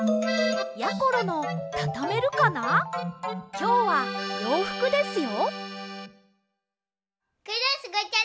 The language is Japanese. きょうはようふくですよ。